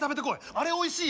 あれおいしいやん！